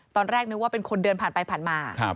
ตอนแรกนึกว่าเป็นคนเดินผ่านไปผ่านมา